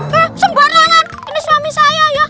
hah sembarangan ini suami saya ya